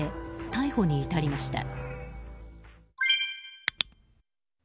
逮捕に至りました。